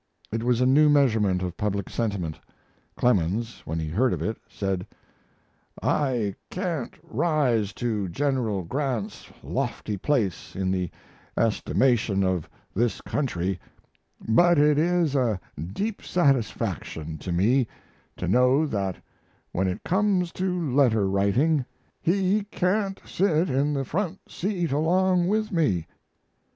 It was a new measurement of public sentiment. Clemens, when he heard of it, said: "I can't rise to General Grant's lofty place in the estimation of this country; but it is a deep satisfaction to me to know that when it comes to letter writing he can't sit in the front seat along with me.